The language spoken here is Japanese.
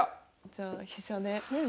じゃあ飛車で。